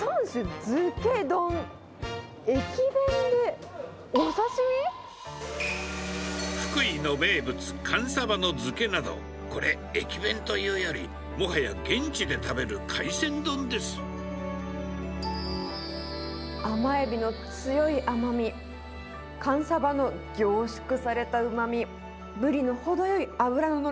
これ、福井の名物、寒サバの漬けなど、これ、駅弁というより、もはや現地で食べる海甘エビの強い甘み、寒サバの凝縮されたうまみ、ブリの程よい脂の乗り。